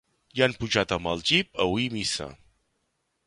Hi han pujat amb el jeep a oir missa.